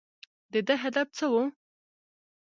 د ده هدف څه و ؟